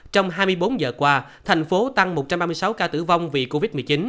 trong hai mươi bốn giờ qua thành phố tăng một trăm ba mươi sáu ca tử vong vì covid một mươi chín